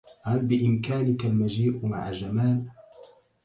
هل بإمكانك المجيء مع جمال؟